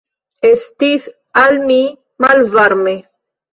Estis al mi malvarme.